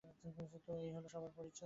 তো, এই হলো সবার পরিচয়।